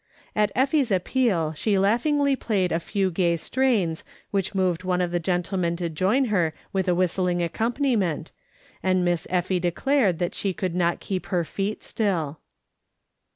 At Effie's appeal she laughingly played a few gay strains, which moved one of the gentlemen to join her with a whistling accompaniment, and Miss Efhe declared that she could not keep her feet still.